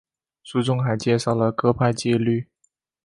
书中还介绍了各派戒律。